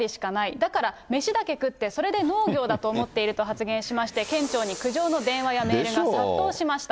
だから飯だけ食って、それで農業だと思っていると発言しまして、県庁に苦情のメールや電話が殺到しました。